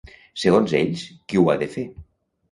Segons ells, qui ho ha de fer?